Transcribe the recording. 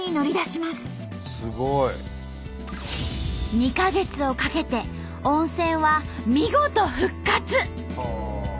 すごい！２か月をかけて温泉は見事復活！